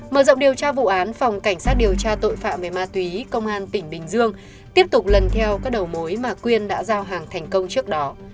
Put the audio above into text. mở rộng điều tra vụ án phòng cảnh sát điều tra tội phạm về ma túy công an tỉnh bình dương tiếp tục lần theo các đầu mối mà quyên đã giao hàng thành công trước đó